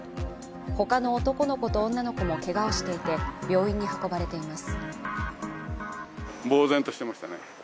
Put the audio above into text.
他の男の子と女の子もけがをしていて病院に運ばれています。